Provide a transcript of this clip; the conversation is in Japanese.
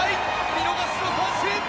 見逃しの三振！